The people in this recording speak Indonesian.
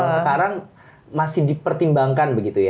sekarang masih dipertimbangkan begitu ya